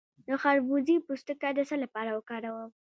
د خربوزې پوستکی د څه لپاره وکاروم؟